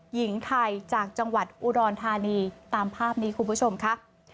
หญิงไทยจากจังหวัดอุดรธานีตามภาพนี้คุณผู้ชมค่ะ